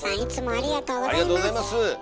ありがとうございます。